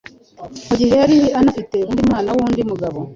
mu gihe yari anafite undi mwana w’undi mugabo?